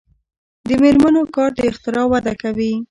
د میرمنو کار د اختراع وده کوي.